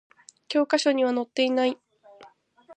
教科書には載っていない